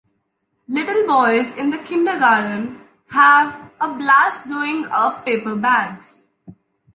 Little boys in the kindergarten have a blast blowing up paper bags.